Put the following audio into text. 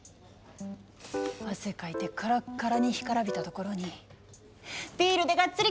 汗かいてカラッカラに干からびたところにビールでガッツリ